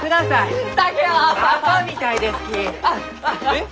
えっ？